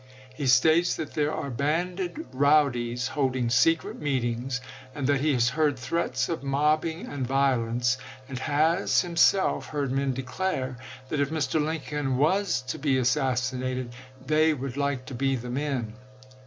He states that there are banded rowdies holding secret meetings, and that he has heard threats of mobbing and violence, and has himself heard men declare that if Mr. Lincoln was to be assassinated they would like to be the men.